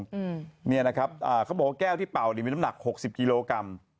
อืมเนี่ยนะครับอ่าเขาบอกว่าแก้วที่เป่าเนี่ยมีน้ำหนักหกสิบกิโลกรัม